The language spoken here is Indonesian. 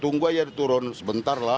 tunggu aja dia turun sebentar lah